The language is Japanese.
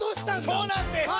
そうなんです！